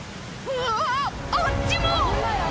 うわあっちも！